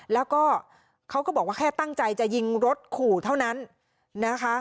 แล้วก็เขาก็บอกว่าแค่ตั้งใจจะยิงรถขู่เท่านั้นนะคะ